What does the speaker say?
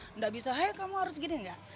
tidak bisa haya kamu harus gini enggak